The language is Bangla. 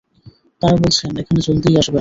তারা বলেছেন এখানে জলদিই আসবেন।